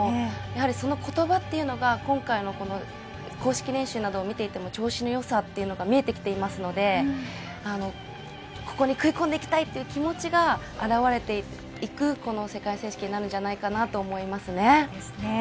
やはりその言葉というのが今回の公式練習などを見ていても調子のよさなどが見えてきていますのでここに食い込んでいきたいという気持ちが表れているこの世界選手権だと思います。